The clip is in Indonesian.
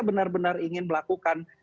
benar benar ingin melakukan